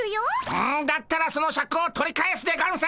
うんだったらそのシャクを取り返すでゴンス！